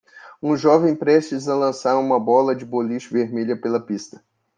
um jovem prestes a lançar uma bola de boliche vermelha pela pista